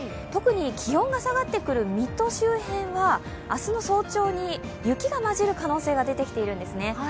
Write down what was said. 特に気温が下がってくる水戸周辺は明日の早朝に雪が交じる可能性が出てきているんですね。